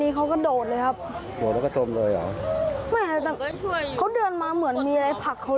มีอะไรผักเขาเหรอใช่แล้วเขาก็เดินลงไปเลยครับ